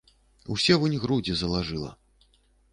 Усе вунь грудзі залажыла.